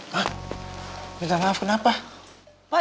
hah minta maaf kenapa